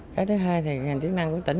cái thứ hai thì ngành chức năng của tỉnh